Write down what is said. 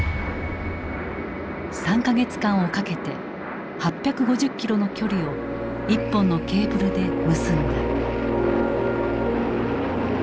３か月間をかけて８５０キロの距離を１本のケーブルで結んだ。